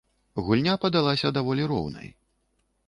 Гульня падалася даволі роўнай.